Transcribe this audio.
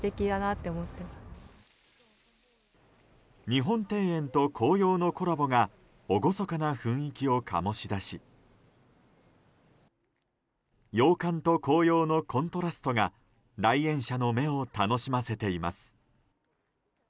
日本庭園と紅葉のコラボが厳かな雰囲気を醸し出し洋館と紅葉のコントラストが来園者の目を楽しませています。